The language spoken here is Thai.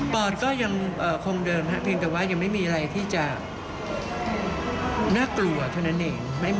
ปอนก็ยังคงเดิมเพียงแต่ว่ายังไม่มีอะไรที่จะน่ากลัวเท่านั้นเอง